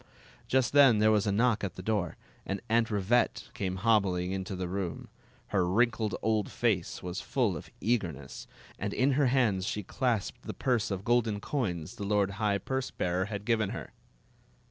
Just then there was a knock at the door, and Aunt Rivette came hobbling into tY : room. Her wrinkled old face was full of eagerness, and in her hands she . clasped the purse of golden coins the lord high purse bearer had given her.